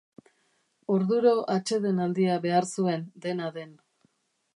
Orduro atsedenaldia behar zuen, dena den.